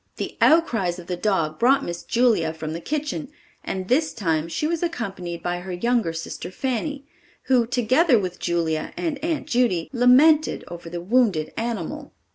The outcries of the dog brought Miss Julia from the kitchen, and this time she was accompanied by her younger sister, Fanny, who together with Julia and Aunt Judy, lamented over the wounded animal.